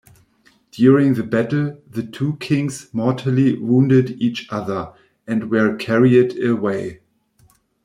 During the battle, the two kings mortally wounded each other, and were carried away.